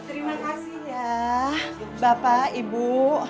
terima kasih ya bapak ibu